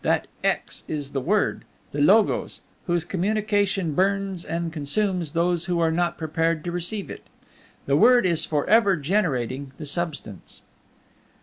That x is the Word, the Logos, whose communication burns and consumes those who are not prepared to receive it. The Word is for ever generating the Substance.